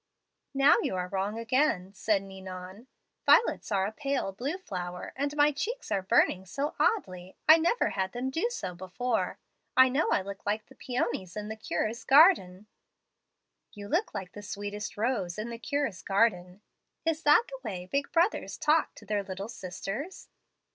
"'Now you are wrong again,' said Ninon; 'violets are a pale blue flower, and my cheeks are burning so oddly I never had them do so before. I know I look like the peonies in the cure's garden.' "'You look like the sweetest rose in the cure's garden.' "'Is that the way big brothers talk to their little sisters?'